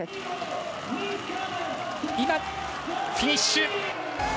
今、フィニッシュ！